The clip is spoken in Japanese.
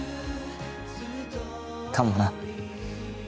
かもな。